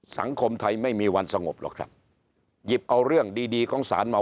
สังคมไทยไม่มีวันสงบหรอกครับหยิบเอาเรื่องดีดีของศาลมา